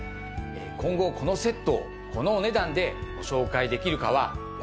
今後このセットをこのお値段でご紹介できるかはわかりません。